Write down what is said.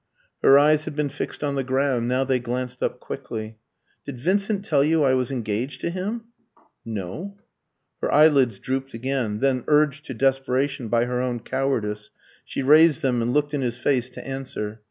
Her eyes had been fixed on the ground, now they glanced up quickly. "Did Vincent tell you I was engaged to him?" "No." Her eyelids drooped again; then, urged to desperation by her own cowardice, she raised them and looked in his face to answer.